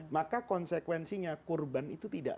maka konsekuensinya kurban itu tidak